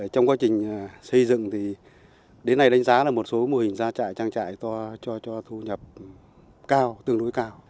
trong quá trình xây dựng thì đến nay đánh giá là một số mô hình ra trại trang trại to cho thu nhập cao tương đối cao